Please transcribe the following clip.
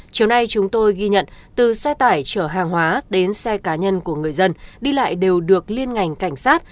chiều nay chúng tôi ghi nhận từ xe tải chở hàng hóa đến xe cá nhân của người dân đi lại đều được liên ngành cảnh sát